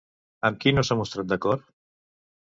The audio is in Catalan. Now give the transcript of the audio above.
Amb qui no s'ha mostrat d'acord?